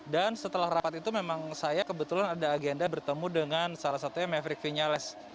dan setelah rapat itu memang saya kebetulan ada agenda bertemu dengan salah satunya maverick vinales